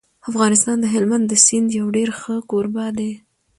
افغانستان د هلمند د سیند یو ډېر ښه کوربه دی.